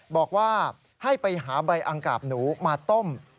บอกว่าให้ไปหาใบอังกาบหนูมาต้ม